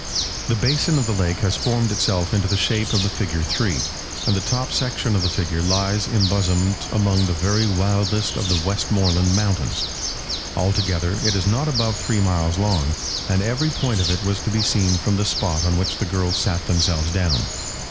The basin of the lake has formed itself into the shape of the figure of 3, and the top section of the figure lies embosomed among the very wildest of the Westmoreland mountains. Altogether it is not above three miles long, and every point of it was to be seen from the spot on which the girls sat themselves down.